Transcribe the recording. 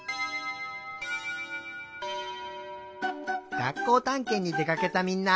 がっこうたんけんにでかけたみんな。